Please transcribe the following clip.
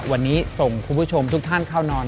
วันนี้ส่งคุณผู้ชมทุกท่านเข้านอน